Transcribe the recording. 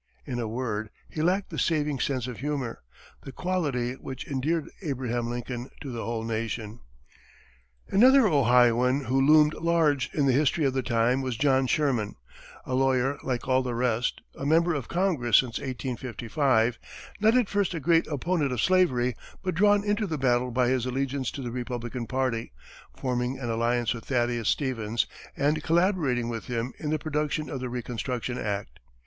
In a word, he lacked the saving sense of humor the quality which endeared Abraham Lincoln to the whole nation. Another Ohioan who loomed large in the history of the time was John Sherman, a lawyer like all the rest, a member of Congress since 1855, not at first a great opponent of slavery, but drawn into the battle by his allegiance to the Republican party, forming an alliance with Thaddeus Stevens, and collaborating with him in the production of the reconstruction act.